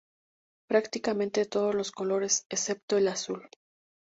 Prácticamente todos los colores, excepto el azul.